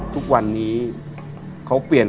ทุกวันนี้เขาเปลี่ยน